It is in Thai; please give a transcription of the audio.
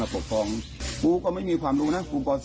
ปกครองกูก็ไม่มีความรู้นะ